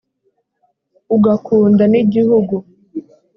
ugakunda nigihugu.